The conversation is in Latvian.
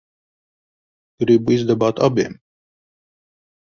Gribu izdabāt abiem.